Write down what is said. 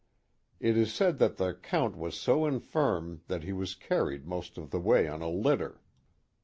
It is said that the Count was so infirm that he was carried most of the way on a litter.